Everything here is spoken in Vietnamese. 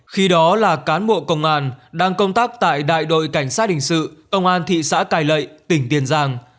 khi đó là cán bộ công an đang công tác tại đại đội cảnh sát hình sự công an thị xã cài lệ tỉnh tiền giang